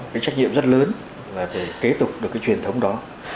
cái trách nhiệm rất lớn là phải kế tục được cái truyền thống đó